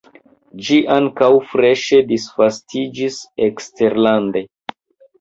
Ĝi ankaŭ freŝe disvastiĝis eksterlande.